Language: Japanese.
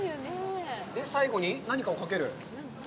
で、最後に何かをかける？